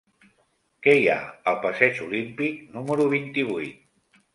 Què hi ha al passeig Olímpic número vint-i-vuit?